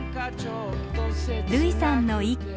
類さんの一句。